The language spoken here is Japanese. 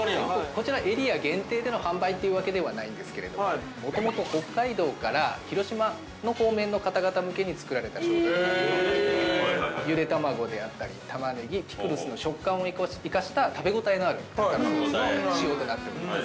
◆こちら、エリア限定での販売というわけではないんですけども、もともと北海道から広島の方面の方々向けに作られた商品。ゆで卵であったり、タマネギ、ピクルスの食感を生かした食べ応えのあるタルタルソースの仕様となっております。